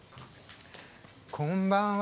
こんばんは。